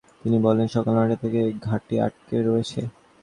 তিনি বলেন, সকাল নয়টা থেকে ঘাটে আটকে রয়েছেন।